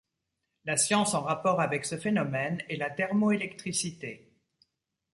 La science en rapport avec ce phénomène est la thermoélectricité.